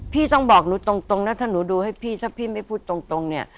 พี่ต้องบอกหนูตรงนะถ้าหนูดูให้พี่ถ้าพี่ไม่พูดตรงเนี่ย